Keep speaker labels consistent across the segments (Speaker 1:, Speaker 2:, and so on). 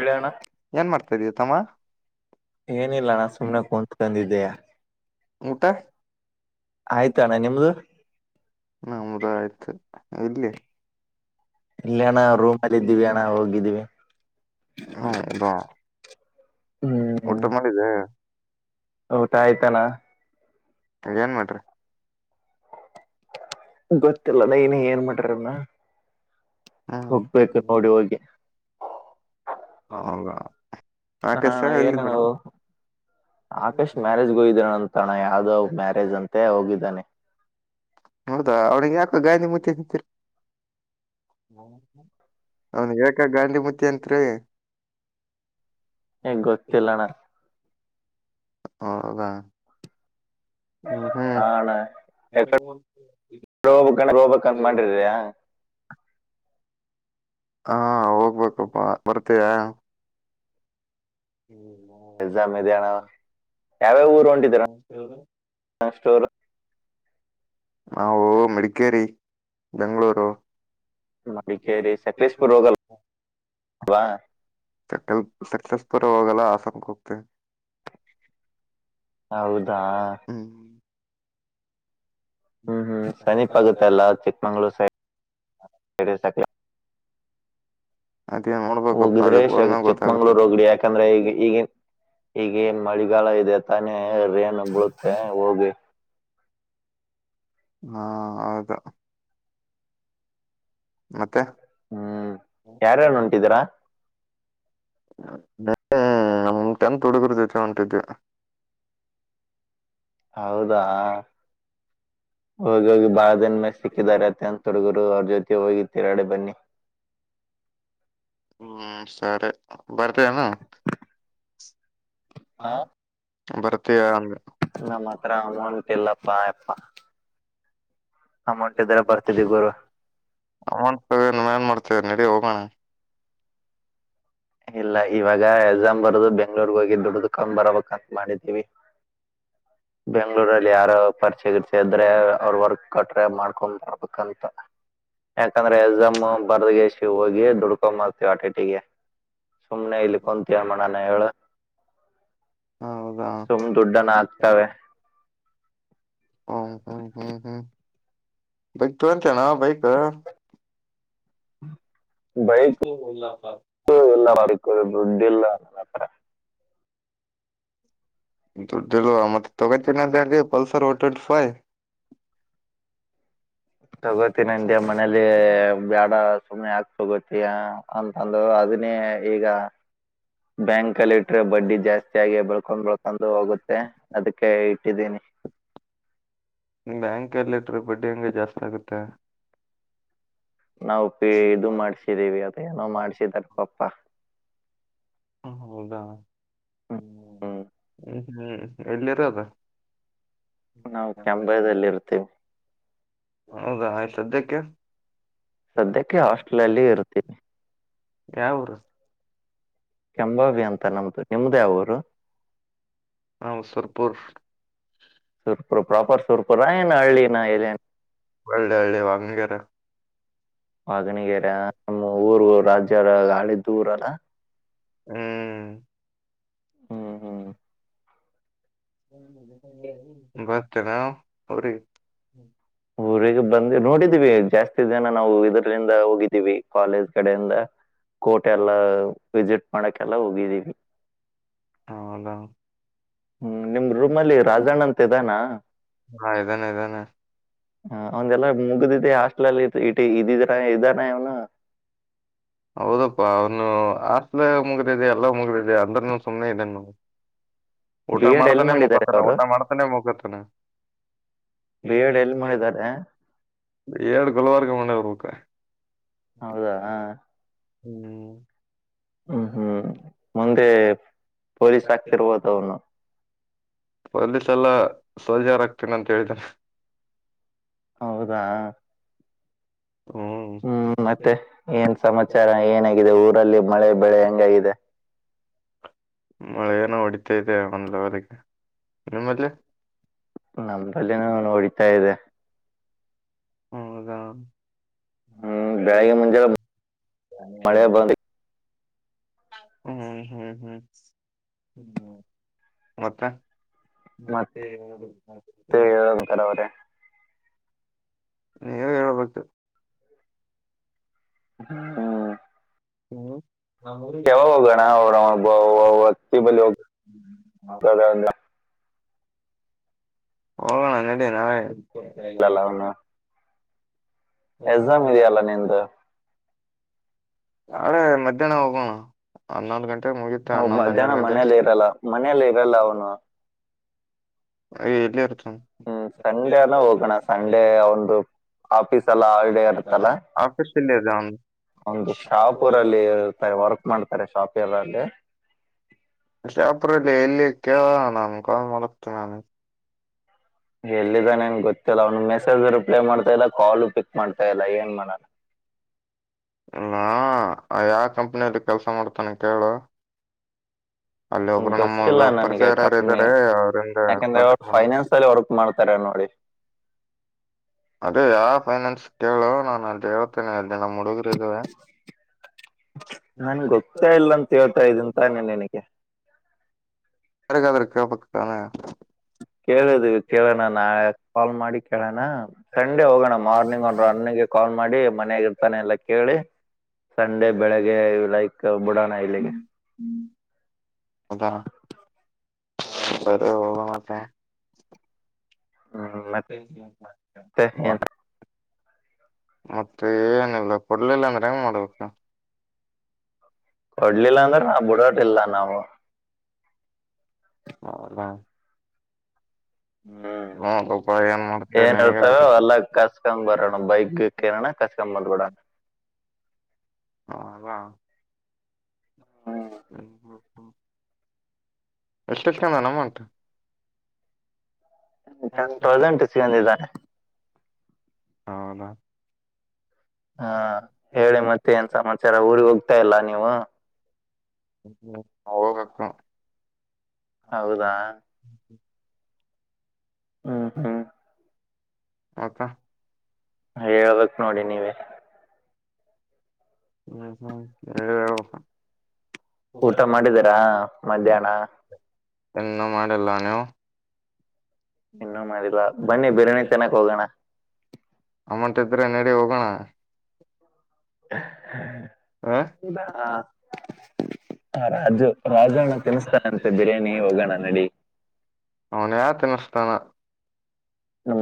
Speaker 1: ಹೇಳಣ
Speaker 2: ಏನ್ ಮಾಡ್ತಾ ಇದೀಯ ತಮ್ಮ
Speaker 1: ಏನಿಲ್ಲ ನಾ ಸುಮ್ನೆ ಕುಂತ ತಂದಿದ್ದೇಯ
Speaker 2: ಊಟ
Speaker 1: ಆಯ್ತಣ್ಣ ನಿಮ್ದು
Speaker 2: ನಮದ ಆಯ್ತು ಇಲ್ಲಿ
Speaker 1: ಇಲ್ಲ ಅಣ್ಣ ರೂಮ್ ಅಲ್ಲಿ ಇದ್ದೀವಿ ಅಣ್ಣ ಹೋಗಿದ್ದೀವಿ
Speaker 2: ಹ್ಮಾ
Speaker 1: ಹ್ಮ್
Speaker 2: ಊಟ ಮಾಡಿದ್ದ
Speaker 1: ಊಟ ಆಯ್ತಣ
Speaker 2: ಏನ್ ಮಾಡ್ರಿ
Speaker 1: ಗೊತ್ತಿಲ್ಲ ನ ಇನ ಏನ್ ಮಾಡ್ರನ
Speaker 2: ಹ್ಮ್
Speaker 1: ಹೋಗ್ಬೇಕು ನೋಡಿ ಹೋಗಿ
Speaker 2: ಹೌದ
Speaker 1: ಹಣ ಏನ ನವು ಆಕಶ್ ಮ್ಯಾರೇಜ್ಗೆ ಹಯ್ದಣ ಅಂತ ತಣ ಯಾವ್ದೋ ಮ್ಯಾರೇಜ್ ಅಂತೆ ಹೋಗಿದ್ದಾನೆ
Speaker 2: ಹೌದಾ ಅವ್ಿಿಗೆ ಯಾಕ ಗಾಂಿತಿೀರಿ ಅವನ್ ಏಕ ಗಾಂಡಿಮತಿ ಅಂತ್ರಿ
Speaker 1: ಹೆಂಗೆ ಗೊತ್ತಿಲ್ಲಣ
Speaker 2: ಹದಾ
Speaker 1: ಹಣ ರೋಬ ರೋಬಂತ ಮಾಡಿದಯಾ
Speaker 2: ಹಾ ಹೋಗ್ಬೇಕಪ್ಪಾ ಬರ್ತೀಯಾ ಹ್ಮ ಹ
Speaker 1: ಎಕ್ಸಾಮ್ ಇದೆ ಅಣ್ಣ
Speaker 2: ನಂದಗೆ
Speaker 1: ಹ ಸ್ಟೋರ್
Speaker 2: ನಾವು ಮಡಿಕೇರಿ ಬೆಂಗಳೂರು
Speaker 1: ಮಡಿಕೇರಿ ಸಕ್ರೇಶ್ಪುರ್ ರೋಗಲ್
Speaker 2: ಸ ಸಕ್ಸಸ್ ಪುರ್ ಹೋಗಲ್ಲ ಆಸಕ ಹೋಗ್ತವೆ
Speaker 1: ಹೌದಾ
Speaker 2: ಹ್ಮ್
Speaker 1: ಹ್ಮ್ ಹ್ಮ್ ಶನಿ ಪಗತ ಅಲ್ಲ ಚಿಕ್ಕಮಂಗ್ಳೂರ್ ಸೈಡ್ ಸ
Speaker 2: ಅದೇ ನ
Speaker 1: ಹೋಗಿದ್ರೆ ಚಿಕ್ಕಮಂಗ್ಳೂರ್ ಹೋಗಡಿ ಯಾಕಂದ್ರೆ ಈಗ ಈಗ ಈಗ ಮಳಿಗಾಲ ಇದೆ ತಾನೆ ರೇನ್ ಬಳುತ್ತೆ ಹೋಗಿ
Speaker 2: ಹಾ ಹೌದಾ ಮತ್ತೆ
Speaker 1: ಹ್ಮ್ ಯಾರ್ಯಾರು ಹೊಂಟಿದೀರಾ
Speaker 2: ಟೆಂತ್ ಹುಡುಗರು ಜತೆ ಹೊಂಟಿದ
Speaker 1: ಹೌದಾ ಹೋಗಿ ಹೋಗಿ ಬಾಳ ದನ್ ಮೇ ಸಿಕ್ಕಿದ್ದಾರೆ ಅತ್ತ ಅಂತ ಹುಡಡುಗುರು ಅವ್ರ ಜೊತೆಗೆ ಹೋಗಿ ತಿರಾಡೆ ಬನ್ನಿ
Speaker 2: ಹ್ಮ್ ಸರಿ ಬರ್ತಯನು ಹ ಬರ್ತೀಯ ಅಂದ
Speaker 1: ನಮ್ಮ್ ಹತ್ರ ಅಮೌಂಟ್ ಇಲ್ಲಪ್ಪಾ ಆಪ್ಪಾ ಅಮೌಂಟ್ ಇದ್ರ ಬರ್ತಿದ್ದಿ ಗುರು
Speaker 2: ನ್ತದೆ ನಿ್ೇನ್ ಮಾಡ್ತೇ ನಡಡಿ ಹೋಗೋಣ
Speaker 1: ಇಲ್ಲ ಇವಾಗ ಎಸ್ಸಾಾಮ್ ಬರದು ಬೆಂಗ್ಳೂರ್ ಹೋಗಿ ದುಡ್ದಕೊಂಡ್ ಬರಬೇಕಂತ ಮಾಡಿದೀವಿ ಬೆಂಗ್ಳೂರಲ್ಲಿ ಯಾರ ಪರಿಚಯ ಇಿರ್ಸ ಇದ್ರೆ ಅವ್ರ ವರ್ಕ್ ಕೊಟ್ರೆ ಮಾಡ್ಕೊಂಡ್ ಬರ್ಬೇಕಂತ ಯಾಕಂದ್ರೆ ಎಜಮ್ ಬರ್ದಗೇಶಿ ಹೋಗಿ ದುಡ್ಕೊಂಡ್ ಮ್ತತಿವಿ ಆಟಿ ಟಿಗೆ ಸುಮ್ನೆ ಇಲ್ಲಿ ಕುಂತೀ ಅಮ್ಮಣಾನ ಹೇಳ
Speaker 2: ಹ ಹೌದಾ
Speaker 1: ಸುಮ್ ದುಡ್ಡನ್ನ ಹಾಕ್ತಾವೆ
Speaker 2: ಹ್ಮ ಹ್ಮ್ ಹ್ಮ್ ಹ್ಮ್ ಬೈಕ್ ತಂತೇನಾ ಬೈಕ್
Speaker 1: ಹ್ಮ ಬೈಕ್ ಎಲ್ಲಾರು ದುಡ್ ಎಲ್ಲ
Speaker 2: ದುಡ್ಡ ಮತ್ತೆ ತಗ ಚನ್ನ ಪಲ್ಸರ್ ವೆಂಿ ಫೈ್
Speaker 1: ತಗೋತ ನನ್ ಮನಲಿ ಬ್ಯಾಡ ಸುಮ್ಮನೆ ಹಾಕ್ ತಗೋತಯ ಅಂತಂದ ಅದನೇ ಈಗ ಬ್ಯಾಂಕ್ ಕಲೆಕ್ಟರ್ ಬಡ್ಡಿ ಜಾಸ್ತಿ ಹೆಚ್ಚಾಗಿ ಬೆಳ್ಕೊಂಡ್ ಬೆಳ್ಕೊಂಡು ಹೋಗುತ್ತೆ ಅದಕ್ಕೆ ಇಟ್ಟಿದ್ದೀನಿ
Speaker 2: ಬ್ಯಾಂಕ್ ಎಲ್ಲಿ ಇಟ್ಟ್ರ ಬಡ್ಡಿ ಹಂಗೆ ಜಾಸ್ತಿ ಆಗುತ್ತೆ
Speaker 1: ನಾವು ಪ ಇದು ಮಾಡ್ಸಿದೀವಿ ಅದ ಏನೋ ಮಾಡ್ಸಿದಾರ ಪಾಪಾ
Speaker 2: ಹ ಹೌದಾ ಹ್ಮ್ ಹ್ಮ್ ಎಲ್ಲಿರದ
Speaker 1: ನಾವು ಕೆಂಬೈದಲ್ಲಿ ಇರ್ತೀವಿ
Speaker 2: ಹೌದಾ ಆಯ್ತು ಸದ್ಯಕ್ಕೆ
Speaker 1: ಸದ್ಯಕ್ಕೆ ಹಾಸ್ಟಲ್ ಅಲ್ಲಿ ಇರ್ತವಿ
Speaker 2: ಯಾವ ಊರು
Speaker 1: ಕೆಂಬಬಿ ಅಂತ ನಮ್ದು ನಿಮ್ದೇ ಅವರು
Speaker 2: ಹ ಸರ್ಪುರುಷ್
Speaker 1: ಸುರ್ಪುರು ಪ್ರಾಪರ್ ಸುರ್ಪುರ ಏನು ಹಳ್ಳಿಿನ ಎಲ್ಲನ್
Speaker 2: ಒಳ್ಳೆ ಒಳ್ಳೆ ವಾ್ಣಗೆರ
Speaker 1: ವಾಗಣಗೆರೆ ನಮ್ಮ ಊರು ರಾಜ್ಯರ ಗಾಳಿದ್ದು ಊರಲ್ಲ
Speaker 2: ಹ್ಮ್
Speaker 1: ಹ್ಮ್ ಹ್ಮ್
Speaker 2: ಬಸ್ ಜನಾ ಅವರ
Speaker 1: ಊರಿಗೆ ಬಂದ ನೋಡಿದೀವಿ ಜಾಸ್ತಿ ಜನ ನಾವು ಇದರಿಂದ ಹೋಗಿದ್ದೀವಿ ಕಾಲೇಜ್ ಕಡೆಯಿಂದ ಕೋಟೆ ಎಲ್ಲ ವಿಸಿಟ್ ಮಾಡಕ್ಕೆಲ್ಲ ಹೋಗಿದೀವಿ
Speaker 2: ಹೌದಾ
Speaker 1: ಹ್ಮ್ ನಿಮ ರೂಮ ಅಲ್ಲಿ ರಾಜಣ್ಣ ಅಂತ ಇದಾನ
Speaker 2: ಹಾ ಇದಾನೆ ಇದಾನೆ
Speaker 1: ಹ ಒಂದೆಲ್ಲ ಮುಗ್ದಿದ್ದ ಹಾಸ್ಟಲ್ಲ್ಲಿ ಇ ಇದಿದ್ರ ಇದಾರ ಅವನು
Speaker 2: ಹೌದಪ್ಪಾ ಅವನು ಆಸ್ಲ ಮುಗ್ರಿದೆ ಎಲ್ಲ ಮುಗ್ರಿದೆ ಅಂದ್ರನು ಸುಮ್ನೆ ಇದನು ಊಟ
Speaker 1: ಬಿ ಎಡ್ ಎಲ್ಲಿ
Speaker 2: ಮಾಡ್ತಾನೆ
Speaker 1: ಮಾಡಿದ್ದಾರೆ
Speaker 2: ಮುಗತಾನ
Speaker 1: ಅವರು
Speaker 2: ಊಟಾ ಮಾಡ್ತಾನೆ ಮುಗತಾನೆ
Speaker 1: ಬಿ ಎಡ್ ಎಲ್ಲಿ ಮಾಡಿದ್ದಾರೆ
Speaker 2: ಎಏರಡ್ ಗುಲ್ವರ್ಗ ಮಣೆಯವರ್ಬೇಕ
Speaker 1: ಹೌದಾ
Speaker 2: ಹ್ಮ್
Speaker 1: ಹ್ಮ್ ಹ್ಮ್ ಮುಂದೆ ಪೊಲೀಸ್ ಆಗ್ತಿರ್ಬೋದ ಅವ್ನು
Speaker 2: ಪೊಲೀಸ್ ಎಲ್ಲಾ ಸೋಜಾರಾಗಗ್ತೀನ ಅಂತ ಹೇಳಿದನೆ
Speaker 1: ಹೌದಾ ಹ್ಮ್ ಮತ್ತೆ ಏನ್ ಸಮಾಚಾರ ಏನಾಗಿದೆ ಊರಲ್ಲಿ ಮಳೆ ಬೆಳೆ ಹೆಂಗಾಗಿದೆ
Speaker 2: ಮಳೆ ಏನೋ ಹೊಡಿತಾ ಇದೆ ಒಂದ್ ಲೆವಲ್ಗೆ ನಿಮ್ಮಲ್ಲಿ
Speaker 1: ನಮ್ದಲ್ಲಿನೂ ನೋಡಿತಾ ಇದೆ
Speaker 2: ಹದಾ ಹ್ಮ
Speaker 1: ಹ್ಮ್ ಬೆಳಗ್ಗೆ
Speaker 2: ಬೆಳಗ್
Speaker 1: ಮುಂಜಾನೆ ಮಳೆ ಬಂದು
Speaker 2: ಹ್ಮ್ ಹ್ಮ್ ಹ್ಮ್ ಹ್ಮ ಮತ್ತ ಮತ್ತೆ
Speaker 1: ರಾವ
Speaker 2: ನೀವ ಹೇಳಳ್ಬೇಕು
Speaker 1: ಹ್ಮ್
Speaker 2: ಹ್ಮ
Speaker 1: ಕೆವ ಹೋಗಣ ಅವತ್ತ ಬೋಗ
Speaker 2: ಹೋಗೋಣ ನಡಿ ನಾವ
Speaker 1: ಅಂದ್ರಲ್ಲ ಅವನು ಎಕ್ಸಾಮ್ ಇದೆಯಲ್ಲ ನಿನ್್ದ
Speaker 2: ನಾಳೆ ಮಧ್ಯಾಹ್ನ ಹೋಗುವ ಹದ್ನಾಾಲ್ಕ ಗಂಟೆಗೆ ಮುಗ
Speaker 1: ಹ ಮಧ್ಯಾಹ್ನ ಮನೇಲಿ ಇರಲ್ಲ ಮನೇಲಿ ಇರಲ್ಲ ಅವನು
Speaker 2: ಅಯ ಎಲ್ಲಿ ಇರ್ತ
Speaker 1: ಹ್ಮ್ ಸಂಡೇನ ಹೋಗೋಣ ಸಂಡೇ ಒಂದು ಆಫೀಸ್ ಎಲ್ಲಾ ಹಲ್ಿಡೇ ಇರುತ್ತಲ್ಲ
Speaker 2: ಆಫೀಸ್ಲ್ಲ ಜಾವನ್
Speaker 1: ಒಂದು ಶಾಪರಲ್ಲಿ ಇರ್ತಾರೆ ವರ್ಕ್ ಮಾಡ್ತಾರೆ ಶಾಪ್ ಎರಲ್ಲಿ
Speaker 2: ಅಷ್ಟ ಅಪ್ರಲ್ಲಿ ಎಲ್ಲಿ ಕೇಳ ನಮ ಕ ಮಲತ ನಾನ
Speaker 1: ಎಲ್ಲಿಿದ್ದ ನೇನ್ ಗೊತ್ತಿಲ್ಲ ಅವನು ಮೆಸೇಜ್ ರಿಪ್ಲೈ ಮಾಡ್ತಾ ಇಲ್ಲ ಕಾಲು ಪಿಕ್ ಮಾಡ್ತಾ ಇಲ್ಲ ಏನ್ ಮನ
Speaker 2: ಇಲ್ಲಾ ಯಾವ ಕಂಪನಿಯಲ್ಲಿ ಕೆಲ್ಸ ಮಾಡ್ತಾನ ಕೇಳು ಅಲ್ಲಿ ಒಬ್ರು
Speaker 1: ಗೊತ್ತಿಲ್ಲ
Speaker 2: ನಮ್ಮಗ
Speaker 1: ನನಗೆ
Speaker 2: ಪರಿಚಯರಾರು
Speaker 1: ಕಂಪ್ನಿ
Speaker 2: ಇದ್ದಾರೆ ಅವ್ರಂದ
Speaker 1: ಯಾಕಂದ್ರೆ ಅವರು
Speaker 2: ಕಾಂಟ್ಯಾಕ್ಟ್ ಮಾಡ
Speaker 1: ಫೈನಾನ್ಸ್ ಅಲ್ಲಿ ವರ್ಕ್ ಮಾಡ್ತಾರ ನೋಡಿ
Speaker 2: ಅದೇ ಯಾವ ಫೈನಾನ್ಸ್ ಕೇಳು ನಾನು ಅದ ಹೇಳ್ತೇನೆ ಅಲ್ಲಿ ದಿನ ಮುಡುಗ
Speaker 1: ನನ್ ಗೊ್ತಾ ಇಲ್ಲ ಅಂತ ಹೇಳ್ತಾ ಇದೀಂತಾನೆ ನನಗೆ
Speaker 2: ಬಗಾದ್ರ ಕ ಪಕ್ಕದಾನೆ
Speaker 1: ಕೇಳುದು ಕೇಳೋಣ ನಾ ಕಾಲ್ ಮಾಡಿ ಕೇಳೋಣ ಸಂಡೆ ಹೋಗೋಣ ಮಾರ್ನಿಂಗ್ ಒಂದರು ಅನ್ನಗೆ ಕಾಲ್ ಮಾಡಿ ಮನಯಾಗ ಇರ್ತಾನೆ ಎಲ್ಲ ಕೇಳಿ ಸಂಡೆ ಬೆಳಗ್ಗೆ ಲೈಕ್ ಬುಡಾಣ ಇಲ್ಲಿಗೆ
Speaker 2: ಹ್ಮ ಅೌದ ಬರ ಹೋಗ ಮತ್ತೆ
Speaker 1: ಹ್ಮ್, ಮತ್ತೆ ಏನ್
Speaker 2: [unintelligible] ಮತ್ತೆ ಏನಿಲ್ಲ ಕೊಡ್ಲಿಲ್ಲ ಅಂದ್ರೆ ಹೆಂಗ್ ಮಾಡ್ಬೇಕ
Speaker 1: ಹೊಡ್ಲಿಲ್ಲ ಅಂದ್ರ ಬಿಡಾಟ್ಟ ಇಿಲ್ಲ ನಾವು
Speaker 2: ಹೌದಾ
Speaker 1: ಹ್ಮ್
Speaker 2: ನೋಡಪ್ಪ ಏನ್ ಮಾಡ್ತೇವಿ
Speaker 1: ಏನ್
Speaker 2: ನಿನಗೆ
Speaker 1: ಇರ್ತಾವ
Speaker 2: ಬರ್ತತಿ
Speaker 1: ಅಲ್ಲ ಕಸ್ಕೊಂಡ್ ಬರೋಣ ಬೈಕ್ ಕೇರಣ ಕಾಸಕಂಬಲ್ಗೂಡ
Speaker 2: ಹ ಅವಾ
Speaker 1: ಹ್ಮ್
Speaker 2: ಹ್ಮ್ ಹ್ಮ ಎಸ್ಟಿಸ್ಕಂಡನ ಅಮೌಂಟ್
Speaker 1: ಟೆನ್ ತೌಸಂಡ್ ಈಸಗಂಡಿದ್ದಾನೆ
Speaker 2: ಹೌದಾ
Speaker 1: ಹಾ ಹೇಳಿ ಮತ್ತೆ ಏನ್ ಸಮಾಚಾರ ಊರಿಗ ಹೋಗ್ತಾ ಇಲ್ಲಾ ನೀವು
Speaker 2: ಹ್ಮ್ಮ ಹೋಬೇಕು
Speaker 1: ಹೌದಾ ಹ್ಮ್ ಹ್ಮ್
Speaker 2: ಮತ್ತಾ
Speaker 1: ಹೇಳ್ಬೇಕ್ ನೋಡಿ ನೀವೇ
Speaker 2: ಹ್ಮ್ ಹ್ಮ್ ನೀವೇ ಹೇಳ್ಬಕು
Speaker 1: ಊಟ ಮಾಡಿದೀರಾ ಮಧ್ಯಾಹ್ನ
Speaker 2: ಇನ್ನೂ ಮಾಡಿಲ್ಲಾ ನೀವು
Speaker 1: ಇನ್ನೂ ಮಾಡಿಲ್ಲ
Speaker 2: [unintelligible]
Speaker 1: ಬನ್ನಿ ಬಿರಿಯಾನಿ ತಿನ್ನಕ್ ಹೋಗೋಣ
Speaker 2: [inaudible] ಅಮೌಂಟ್ ಇದ್ರೆ ನಡಿ ಹೋಗೋಣ ಹ
Speaker 1: [inaudible] ಹ ರಾಜು ರಾಜುಣ್ಣ ತಿನಸ್ತಾನಂತೆ ಬಿರಿಯಾನಿ ಹೋಗೋಣ ನಡಿ
Speaker 2: ಅವನ್ ಯಾ ತಿನ್ನಸ್ತಾನ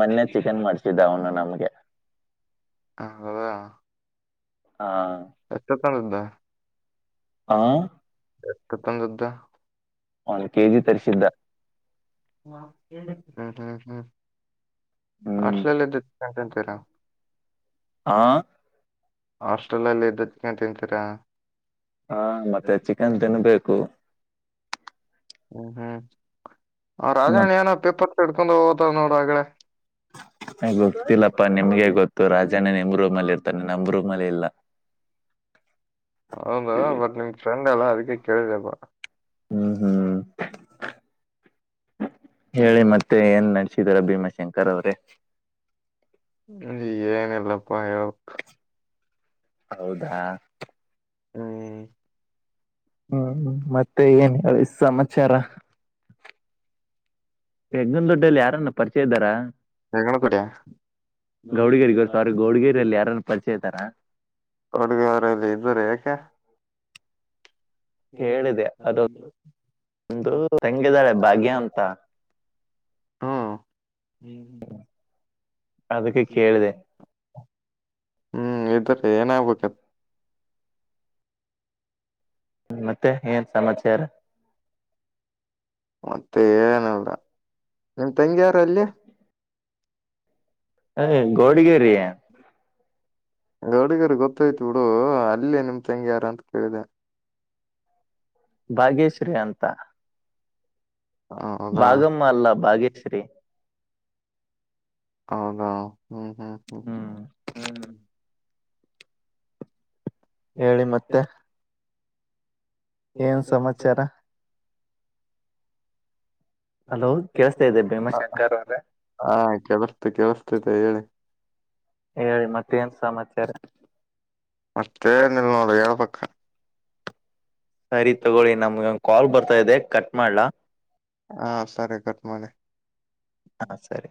Speaker 1: ಮನ್ನೆ ಚಿಕನ್ ಮಾಡ್ಸಿದ್ದ ಅವನು ನಮ್ಗೆ
Speaker 2: ಹ ಹೌದಾ
Speaker 1: ಆ
Speaker 2: ಎಷ್ಟಕ ತಂದಿದಾ ಹಾ
Speaker 1: ಆ
Speaker 2: ಎಷ್ಟಕ ತಂದಿದಾ
Speaker 1: ಒಂದ್ ಕೆಜಿ ತರಸಿದ್ದ
Speaker 2: ಹ್ಮ್ ಹ್ಮ್ ಹ್ಮ್
Speaker 1: ಹ್ಮ್
Speaker 2: ಹಾಸ್ಟೆಲಲ್ಲ ಇದ್ದ ಚಿಕನ್ ತಿಂತಿರಾ
Speaker 1: ಹಾ
Speaker 2: ಹಾಸ್ಟೆಲ್ ಅಲ್ಲಿ ಇದ್ದದಕ ತಿಂತೀರಾ
Speaker 1: ಹಾ ಮತ್ತೆ ಚಿಕನ್ ತಿನ್ಬೇಕು
Speaker 2: ಹ್ಮ್ ಹ್ಮ ಹಾ ರಾಜಣ್ಣ ಏನ ಪೇಪರ್ ಇಡ್ಕೊಂಡ್ ಹೋಗತ ನೋಡ ಅಗಳೆ
Speaker 1: ಗೊತ್ತಿಲ್ಲಪ್ಪಾ ನಿಮ್ಗೆ ಗೊತ್ತು ರಾಜನೇ ನಿಮ್ ರೂಮೇಲೆ ಇರ್ತಾನೆ ನಮ್ ರೂಮೇಲೆ ಇಲ್ಲ
Speaker 2: ಹೌದ ಬಟ್ ನಿಮ್ ಫ್ರೆಂಡ್ ಅಲ್ಲ ಅದಕ್ಕೆ ಕೇಳಿದೆಪ್ಪ
Speaker 1: ಹ್ಮ್ ಹ್ಮ್ ಹೇಳಿ ಮತ್ತೆ ಏನ್ ನಡ್ಸಿದಿರ ಭೀಮಾಶಂಕರ್ ಅವ್ರೇ
Speaker 2: ಏನಿಲ್ಲಪ್ಪ
Speaker 1: ಹೌದಾ
Speaker 2: ಹ್ಮ್
Speaker 1: ಹ್ಮ್ ಮತ್ತೆ ಏನ್ ಹೇಳಿ ಸಮಾಚಾರ ಹೆಗ್ಗಣ್ಣ ದೊಡ್ಡಲ್ಲಿ ಯಾರನ್ನ ಪರಿಚಯ ಇದ್ದಾರ
Speaker 2: ಜಗಳ ಕುಡಿಯ
Speaker 1: ಗೌಡಗೆರಿ ಗೊತ್ತ ಅವರಿಗ ಗೌಡಗೆರಿಯಲ್ಲಿ ಯಾರನ್ನ ಪರಿಚಯ ಇದ್ದಾರ
Speaker 2: ಗೌಡಗೆರಿಲ್ಲಿ ಇದ್ದಾರೆ ಯಾಕೆ
Speaker 1: ಕೇಳಿದೆ ಅದು ಒಂದು ತಂಗಿದಾಳೆ ಭಾಗ್ಯ ಅಂತ
Speaker 2: ಹ್ಮ
Speaker 1: ಅದಕ್ಕೆ ಕೇಳಿದೆ
Speaker 2: ಹ್ಮ್ ಇದ್ರೆ ಏನಾಗ್ಬೇಕಿತ್
Speaker 1: ಹ್ಮ್ ಮತ್ತೆ ಏನ್ ಸಮಾಚಾರ
Speaker 2: ಮತ್ತೆ ಏನಿಲ್ಲಾ ನಿಮ ತಂಗಿಯ ಯಾರ ಅಲ್ಲಿ
Speaker 1: ಏ ಗೌಡಿಗೇರಿ
Speaker 2: ಗೌಡಿಗೆರು ಗೊತ್ತಾಯ್ತು ಬಿಡು ಅಲ್ಲೇ ನಿಮ್ ತಂಗಿ ಯಾರ ಅಂತ ಕೇಳಿದೆ.
Speaker 1: ಬಾಗ್ಯಶ್ರೀ ಅಂತ
Speaker 2: ಹೌದಾ
Speaker 1: ಬಾಗಮ್ಮ ಅಲ್ಲ ಭಾಗ್ಯಶ್ರೀ.
Speaker 2: ಹೌದಾ ಹ್ಮ್ ಹ್ಮ್ ಹ್ಮ್ ಹ್ಮ ಹೇಳಿ ಮತ್ತೆ
Speaker 1: ಏನ್ ಸಮಾಚಾರ. ಹಲೋ ಕೇಳ್ಸ್ತಾ ಇದಿಯಾ ಭೀಮಾ ಶಂಕರ್ ಅವ್ರೆ.
Speaker 2: ಹಾ ಕೇಳುಸ್ತು ಕೇಳುಸ್ತಿದೆ ಹೇಳಿ.
Speaker 1: ಹೇಳಿ ಮತ್ತೆ ಏನ್ ಸಮಾಚಾರ.
Speaker 2: ಮತ್ತೆನಿಲ್ ನೋಡ್ ಹೇಳ್ಬಕ್
Speaker 1: ಸರಿ ತಗೊಳ್ಳಿ ನಮ್ಗೊಂದ್ ಕಾಲ್ ಬರ್ತಾ ಇದೆ ಕಟ್ ಮಾಡ್ಲಾ
Speaker 2: ಹಾ ಸರಿ ಕಟ್ ಮಾಡಿ.
Speaker 1: ಹಾ ಸರಿ.